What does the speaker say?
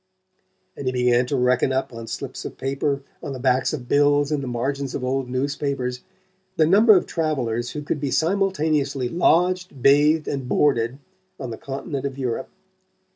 And he began to reckon up, on slips of paper, on the backs of bills and the margins of old newspapers, the number of travellers who could be simultaneously lodged, bathed and boarded on the continent of Europe.